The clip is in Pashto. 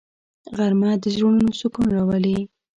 غرمه د زړونو سکون راولي